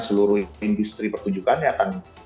seluruh industri pertunjukannya akan